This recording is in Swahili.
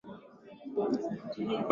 Baba amerudi